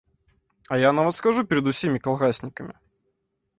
А я нават скажу перад усімі калгаснікамі.